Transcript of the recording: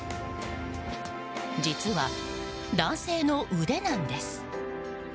実は、男性の腕なんです。